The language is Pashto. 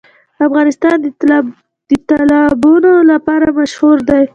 افغانستان د تالابونه لپاره مشهور دی.